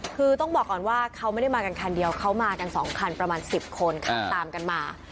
คือต้องบอกก่อนว่าเขาไม่ได้มากันคันเดียวเขามากัน๒คันประมาณ๑๐คนขับตามกันมา